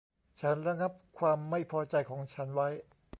ฉันระงับความไม่พอใจของฉันไว้